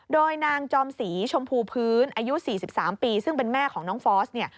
โดยนางจอมศรีชมพูพื้นอายุ๔๓ปีซึ่งเป็นแม่ของน้องฟอสเนี่ย